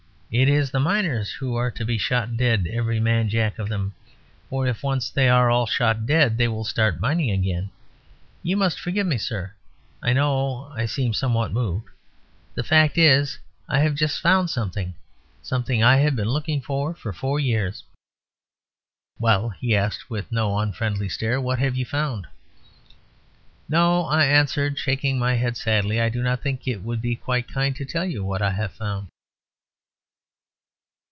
It is the miners who are to be shot dead, every man Jack of them; for if once they are all shot dead they will start mining again...You must forgive me, sir; I know I seem somewhat moved. The fact is, I have just found something. Something I have been looking for for years." "Well," he asked, with no unfriendly stare, "and what have you found?" "No," I answered, shaking my head sadly, "I do not think it would be quite kind to tell you what I have found."